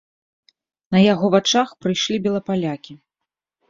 На яго вачах прыйшлі белапалякі.